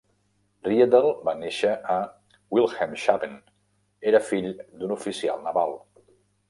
Riedel va néixer a Wilhelmshaven, era fill d'un oficial naval.